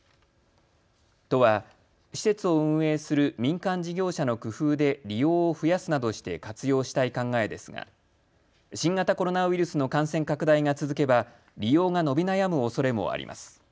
都は施設を運営する民間事業者の工夫で利用を増やすなどして活用したい考えですが新型コロナウイルスの感染拡大が続けば利用が伸び悩むおそれもあります。